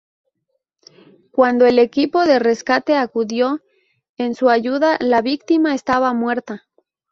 Cuando el equipo de rescate acudió en su ayuda, la víctima estaba muerta.